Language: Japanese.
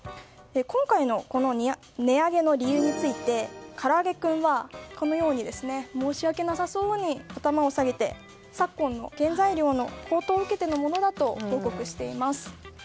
今回の値上げの理由についてからあげクンはこのように申し訳なさそうに頭を下げて昨今の原材料の高騰を受けてのものだと報告しています。